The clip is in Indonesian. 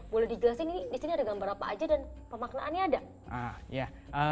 boleh dijelasin ini di sini ada gambar apa aja dan pemaknaannya ada